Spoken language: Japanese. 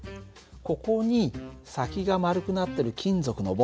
ここに先が丸くなってる金属の棒